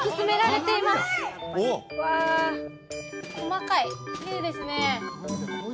細かいきれいですね